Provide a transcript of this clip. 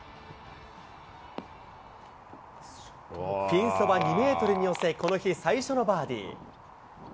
ピンそば２メートルに寄せ、この日、最初のバーディー。